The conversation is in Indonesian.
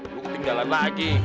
lu ketinggalan lagi